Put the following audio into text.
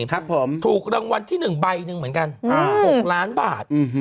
ครับผมถูกรางวัลที่๑ใบหนึ่งเหมือนกัน๖ล้านบาท